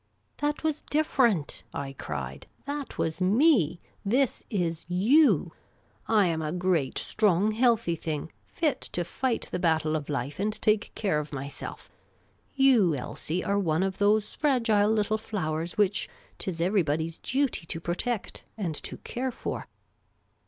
" That was different," I cried. " That was Me ! This is You ! I am a great, strong, healthy thing, fit to fight the battle of life and take care of my.self ; you, Klsie, are one of tho.se fragile little flowers which 't is everybody's duty to protect and to care for."